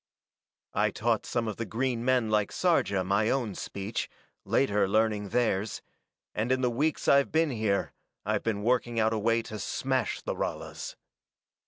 I taught some of the green men like Sarja my own speech, later learning theirs, and in the weeks I've been here I've been working out a way to smash the Ralas.